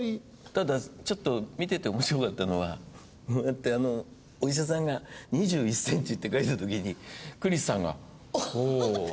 ただちょっと見てて面白かったのはああやってお医者さんが２１センチって書いた時にクリスさんが「おおー」って。